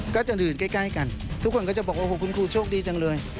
ก็จะดื่มใกล้กันทุกคนก็จะบอกว่าโอ้โหคุณครูโชคดีจังเลย